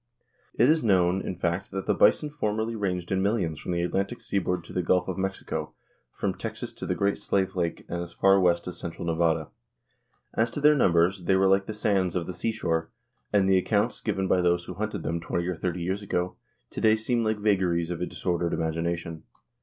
It is known, in fact, that the bison formerly ranged in millions from the Atlantic seaboard to the Gulf of Mexico, from Texas to the Great Slave Lake, and as far west as central Nevada. "As to their numbers, they were like the sands of the seashore, and the accounts given by those who hunted them twenty or thirty years ago to day seem like vagaries of a disordered imagination."